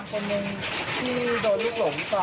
ก็แค่มีเรื่องเดียวให้มันพอแค่นี้เถอะ